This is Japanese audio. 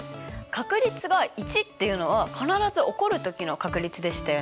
確率が１っていうのは必ず起こる時の確率でしたよね。